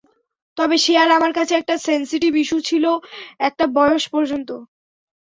তবে শেয়াল আমার কাছে একটা সেনসিটিভ ইস্যু ছিল একটা বয়স পর্যন্ত।